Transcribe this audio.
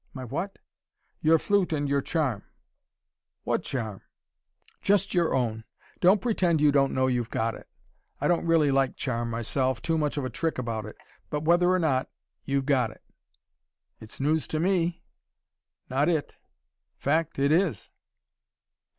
"My what?" "Your flute and your charm." "What charm?" "Just your own. Don't pretend you don't know you've got it. I don't really like charm myself; too much of a trick about it. But whether or not, you've got it." "It's news to me." "Not it." "Fact, it is."